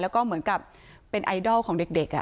แล้วก็เหมือนกับเป็นไอดอลของเด็ก